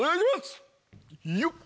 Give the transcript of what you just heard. よっ！